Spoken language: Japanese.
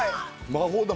魔法だ